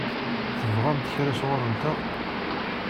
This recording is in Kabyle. Tebɣamt kra sɣur-nteɣ?